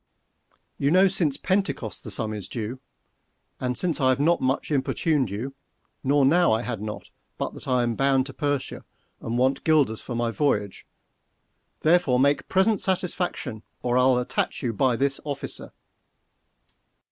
_ You know since Pentecost the sum is due, And since I have not much importuned you; Nor now I had not, but that I am bound To Persia, and want guilders for my voyage: Therefore make present satisfaction, 5 Or I'll attach you by this officer.